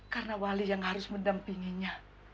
karena wali yang harus mendampinginya